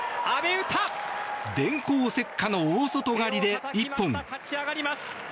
電光石火の大外刈りで一本。